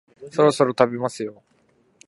そろそろ食べますよ